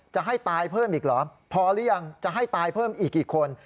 จะให้ตายเพิ่มอีกเหรอพอหรือยังจะให้ตายเพิ่มอีกกี่คน